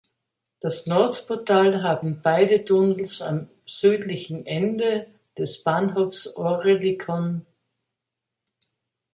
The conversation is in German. Das Nordportal haben beide Tunnels am südlichen Ende des Bahnhofs Oerlikon.